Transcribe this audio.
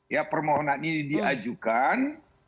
ya permohonan ini diajukan